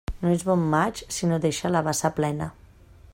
No és bon maig si no deixa la bassa plena.